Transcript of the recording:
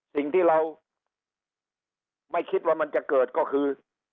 สิ่งที่เราไม่คิดว่ามันจะเกิดก็คือ